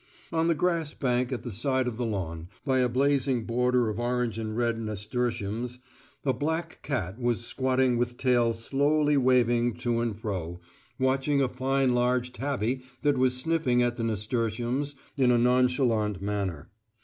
On the grass bank at the side of the lawn, by a blazing border of orange and red nasturtiums, a black cat was squatting with tail slowly waving to and fro, watching a fine large tabby that was sniffing at the nasturtiums in a nonchalant manner.